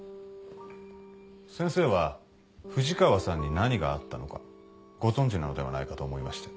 先生は藤川さんに何があったのかご存じなのではないかと思いまして。